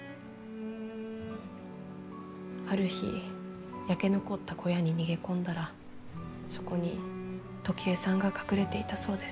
ある日焼け残った小屋に逃げ込んだらそこに時恵さんが隠れていたそうです。